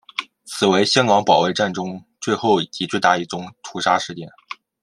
此为香港保卫战中最后及最大一宗屠杀事件。